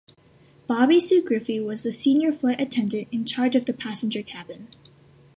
Bobbi Sue Griffey was the Senior Flight Attendant in charge of the passenger cabin.